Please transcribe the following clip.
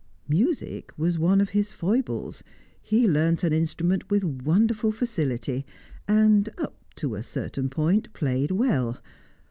Music was one of his foibles; he learnt an instrument with wonderful facility, and, up to a certain point, played well.